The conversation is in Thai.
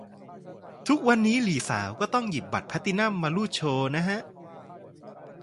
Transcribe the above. ทุกวันนี้หลีสาวก็ต้องหยิบบัตรแพลตตินั่มมารูดโชว์นะฮะ